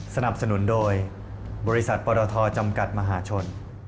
สนับสนุนโดยบริษัทปรทจำกัดมหาชน